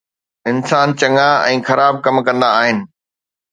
انسان چڱا ۽ خراب ڪم ڪندا آهن